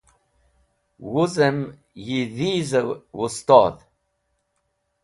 Wuzem yi Dhize Wustodh